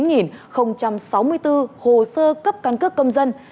sáu trăm sáu mươi chín sáu mươi bốn hồ sơ cấp căn cước công dân